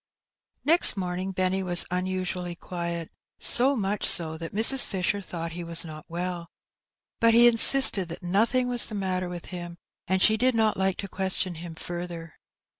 Next morning Benny was nnasually qniet^ so mnch so thai Mrs. Fisher thoaght he was not well; bnt he insisted that nothing was the matter with him^ and she did not like to question him further.